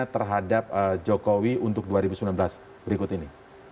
terhadap jokowi untuk dua ribu sembilan belas berikut ini